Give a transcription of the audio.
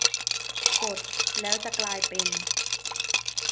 กด แล้วจะกลายเป็น